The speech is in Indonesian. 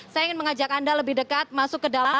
saya ingin mengajak anda lebih dekat masuk ke dalam